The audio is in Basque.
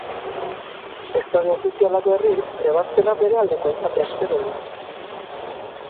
Sektore ofizialak, berriz, ebazpena bere aldekoa izatea espero du.